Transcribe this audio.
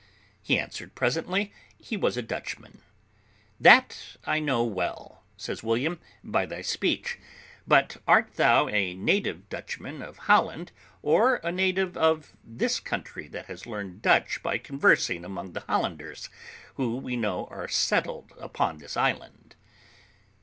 He answered presently, he was a Dutchman. "That I know well," says William, "by thy speech; but art thou a native Dutchman of Holland, or a native of this country, that has learned Dutch by conversing among the Hollanders, who we know are settled upon this island?"